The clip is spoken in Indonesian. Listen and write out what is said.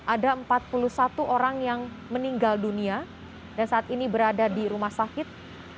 ada empat puluh satu orang yang meninggal dunia dan saat ini berada di rumah sakit